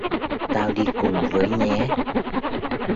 Tao đi cùng với nhé